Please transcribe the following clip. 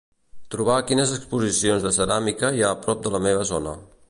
Trobar quines exposicions de ceràmica hi ha a prop de la meva zona.